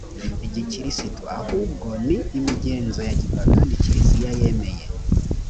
gikristo ahubwo ni imigenzo ya gipagani kiliziya yemeye